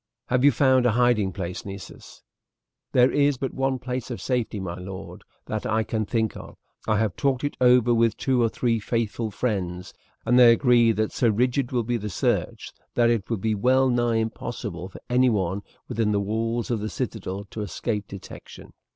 "Have you found a hiding place, Nessus?" "There is but one place of safety, my lord, that I can think of. I have talked it over with two or three faithful friends, and they agree that so rigid will be the search that it will be well nigh impossible for anyone within the walls of the citadel to escape detection.